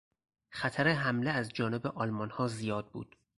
خطر حمله از جانب آلمانها زیاد بود.